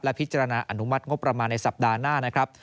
และพิจารณาอนุมัติงบประมาณในสัปดาห์หน้า